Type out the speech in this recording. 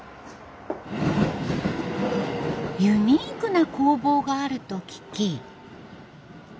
ユニークな工房があると聞き。